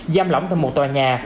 giam lỏng tại một tòa nhà